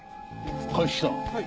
鑑識さん。